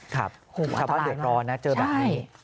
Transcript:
ถ้าว่าเหลือกรณ์เจอแบบนี้